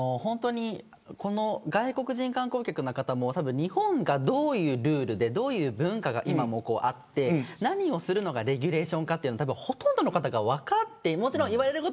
外国人観光客の方も日本がどういうルールでどういう文化が今もあって何をするのがレギュレーションかほとんどの方が分かっていない。